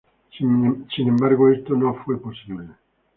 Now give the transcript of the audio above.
Sin embargo, esto no fue posible.